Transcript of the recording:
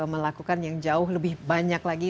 melakukan yang jauh lebih banyak lagi